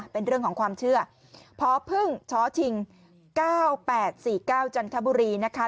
เป็นเรื่องของความเชื่อพพึ่งชชิง๙๘๔๙จันทบุรีนะคะ